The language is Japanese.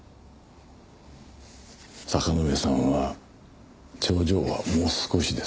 坂之上さんは頂上はもう少しですね。